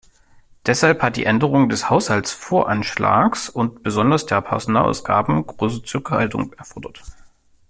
Deshalb hat die Änderung des Haushaltsvoranschlags und besonders der Personalausgaben große Zurückhaltung erfordert.